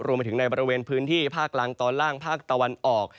รวมไปถึงในบริเวณพื้นที่ภาคล่างตอนล่างภาคตะวันออก